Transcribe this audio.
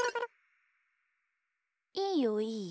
いいよいいよ。